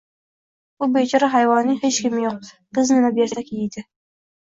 Bu bechora hayvonning hech kimi yo'q.Biz nima bersak, yeydi.